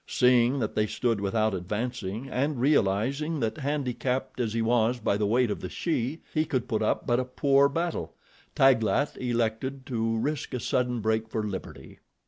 Seeing that they stood without advancing, and realizing that, handicapped as he was by the weight of the she, he could put up but a poor battle, Taglat elected to risk a sudden break for liberty.